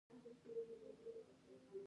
ایا زه پاکستان ته لاړ شم؟